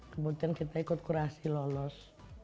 kemudian kita ikut kurasi lolos